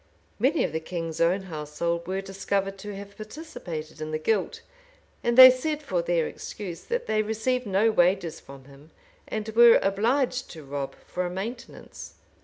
Many of the king's own household were discovered to have participated in the guilt; and they said for their excuse, that they received no wages from him, and were obliged to rob for a maintenance.